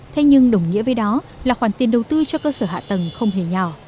thế nhưng đồng nghĩa với đó là khoản tiền đầu tư cho cơ sở hạ tầng không hề nhỏ